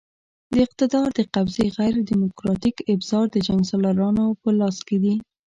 د اقتدار د قبضې غیر دیموکراتیک ابزار د جنګسالارانو په لاس کې دي.